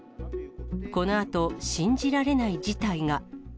このあと、信じられない事態が。